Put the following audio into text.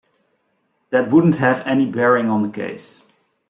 That wouldn't have any bearing on the case.